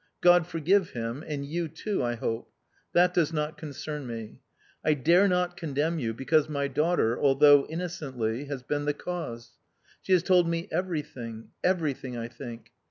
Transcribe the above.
"God forgive him and you too, I hope... That does not concern me... I dare not condemn you because my daughter, although innocently, has been the cause. She has told me everything... everything, I think.